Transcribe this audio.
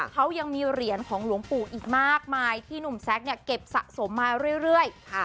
เขายังมีเหรียญของหลวงปู่อีกมากมายที่หนุ่มแซคเนี่ยเก็บสะสมมาเรื่อย